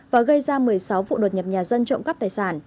và gây ra một mươi sáu vụ đột nhập nhà dân trộm cắp tài sản